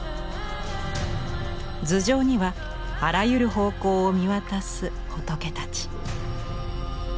頭上にはあらゆる方向を見渡す仏たち。